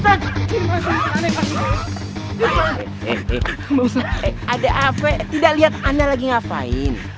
ada apa tidak lihat anda lagi ngapain